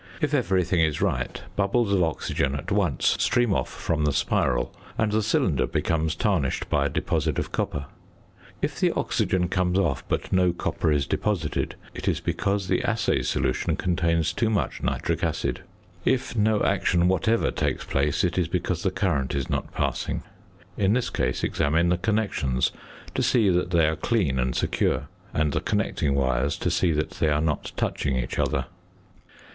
If everything is right bubbles of oxygen at once stream off from the spiral, and the cylinder becomes tarnished by a deposit of copper. If the oxygen comes off but no copper is deposited, it is because the assay solution contains too much nitric acid. If no action whatever takes place, it is because the current is not passing. In this case examine the connections to see that they are clean and secure, and the connecting wires to see that they are not touching each other.